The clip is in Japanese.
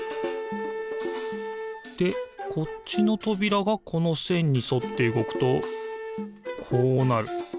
でこっちのとびらがこのせんにそってうごくとこうなる。